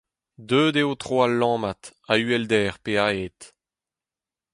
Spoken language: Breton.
Deuet eo tro al lammat, a-uhelder pe a-hed.